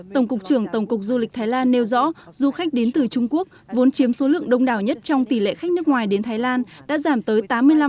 tổng cục trưởng tổng cục du lịch thái lan nêu rõ du khách đến từ trung quốc vốn chiếm số lượng đông đảo nhất trong tỷ lệ khách nước ngoài đến thái lan đã giảm tới tám mươi năm